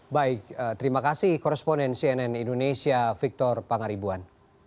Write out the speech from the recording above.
baik terima kasih koresponen cnn indonesia victor pangaribuan